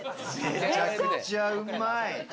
めちゃくちゃうまい！